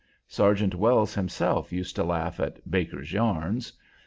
Sergeant Wells himself used to laugh at "Baker's yarns."